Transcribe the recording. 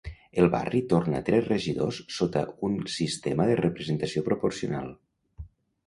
El barri torna tres regidors sota un sistema de representació proporcional.